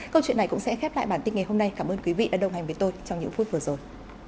câu chuyện này cũng sẽ khép lại bản tin ngày hôm nay cảm ơn quý vị đã đồng hành với tôi trong những phút vừa rồi